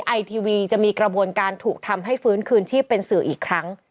ไอทีวีจะมีกระบวนการถูกทำให้ฟื้นคืนชีพเป็นสื่ออีกครั้ง